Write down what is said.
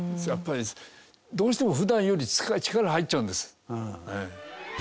やっぱりどうしても普段より力入っちゃうんです。